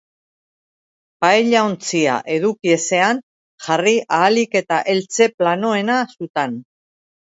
Paella-ontzia eduki ezean, jarri ahalik eta eltze planoena sutan.